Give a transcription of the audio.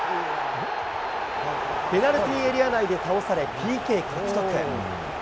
ペナルティーエリア内で倒されＰＫ獲得。